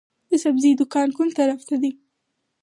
د سبزۍ دکان کوم طرف ته دی؟